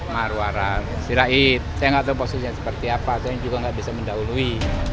marwara sirait saya nggak tahu posisinya seperti apa saya juga nggak bisa mendahului